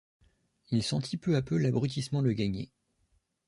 Il sentit peu à peu l’abrutissement le gagner!